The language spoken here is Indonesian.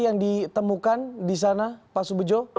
yang ditemukan di sana pak subejo